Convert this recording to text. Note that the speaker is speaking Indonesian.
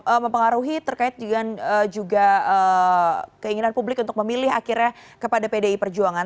ini mempengaruhi terkait dengan juga keinginan publik untuk memilih akhirnya kepada pdi perjuangan